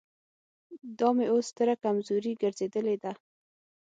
دا مې اوس ستره کمزوري ګرځېدلې ده.